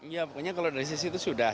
ya pokoknya kalau dari sisi itu sudah